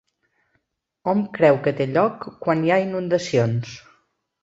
Hom creu que té lloc quan hi ha inundacions.